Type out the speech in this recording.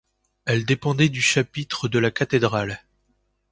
Elle dépendait du chapitre de la cathédrale.